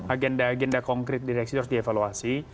agenda agenda konkret direksi itu harus dievaluasi